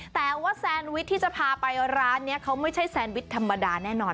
แต่ว่าแซนวิชที่จะพาไปร้านนี้เขาไม่ใช่แซนวิชธรรมดาแน่นอน